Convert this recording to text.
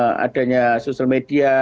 apalagi dengan adanya sosial media dan media